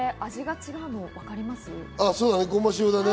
味が違うの分かりますか？